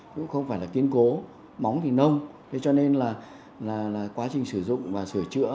cũng không phải là kiên cố móng thì nông thế cho nên là quá trình sử dụng và sửa chữa